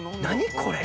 これ。